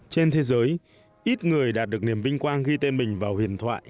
trên thế giới ít người đạt được niềm vinh quang ghi tên mình vào huyền thoại